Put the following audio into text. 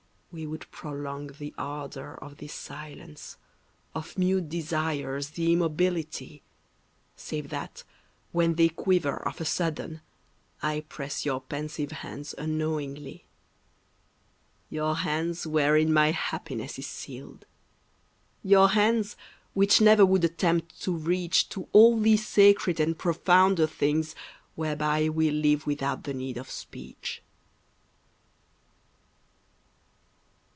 We would prolong the ardour of this silence, Of mute desires the immobility, Save that, when they quiver of a sudden, I press your pensive hands unknowingly Your hands wherein my happiness is sealed Your hands which never would attempt to reach To all these sacred and profounder things Whereby we live without the need of speech.